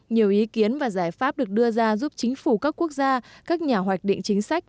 nhiều ý kiến và giải pháp được đưa ra giúp chính phủ các quốc gia các nhà hoạch định chính sách